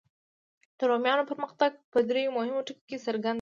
د رومیانو پرمختګ په دریو مهمو ټکو کې څرګند دی.